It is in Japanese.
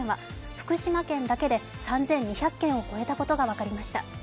福島県だけで３２００件を超えたことが分かりました。